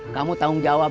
kamu tanggung jawab